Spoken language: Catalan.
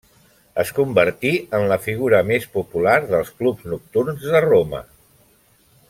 Es convertí en la figura més popular dels clubs nocturns de Roma.